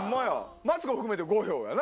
マツコ含めて５票やな。